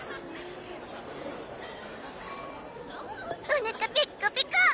おなかペッコペコ！